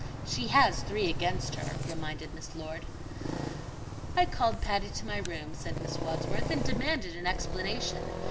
"She has three against her," reminded Miss Lord. "I called Patty to my room," said Miss Wadsworth, "and demanded an explanation.